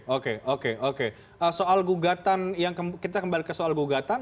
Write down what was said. oke oke oke soal gugatan yang kita kembali ke soal gugatan